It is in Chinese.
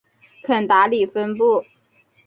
肯达里分布。